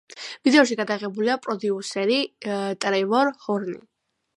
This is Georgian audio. ვიდეოში გადაღებულია პროდიუსერი ტრევორ ჰორნი.